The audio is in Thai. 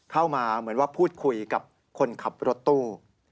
เข้ามาเหมือนว่าพูดคุยกับคนขับรถตู้